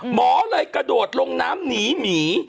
หมอเลยกระโดดลงน้ำหนีหมี